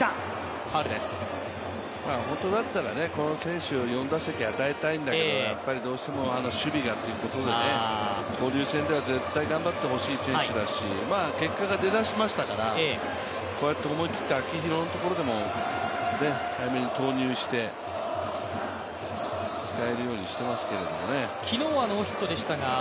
本当だったらこの選手に４打席与えたいんだけど、やっぱりどうしても守備がということで交流戦では絶対頑張ってほしい選手だし、結果が出だしましたから、こうやって思い切って秋広のところでも早めに投入して使えるようにしてますけどね。